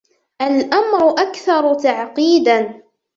الأمر أكثر تعقيدا.